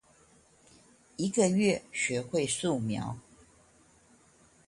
一個月學會素描